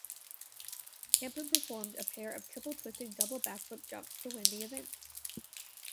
Camplin performed a pair of triple-twisting, double backflip jumps to win the event.